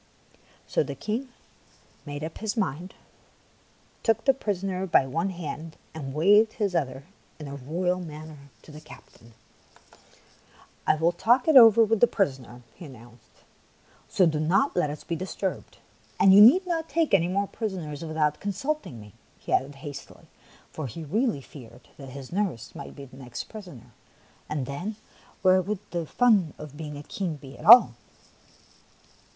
So the King made up his mind, and took the prisoner by one hand and waved his other in a royal manner to the captain. 142 THE PALACE ON THE FLOOR " I will talk it over with the prisoner," he announced, '' so do not let us be disturbed. And you need not take any more prisoners without consulting me," he added hastily, for he really feared that his nurse might be the next prisoner, and then, where would be the fun of being a king at all